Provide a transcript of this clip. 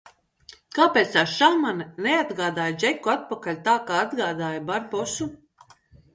Kāpēc tā šamane neatgādāja Džeku atpakaļ tā, kā atgādāja Barbosu?